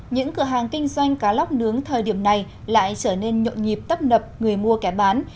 những cửa hàng kinh doanh cá lóc nướng thời điểm này lại trở nên nhộn nhịp tấp nập người mua kẻ bán